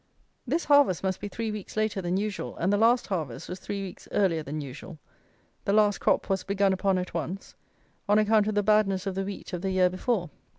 This harvest must be three weeks later than usual, and the last harvest was three weeks earlier than usual. The last crop was begun upon at once, on account of the badness of the wheat of the year before.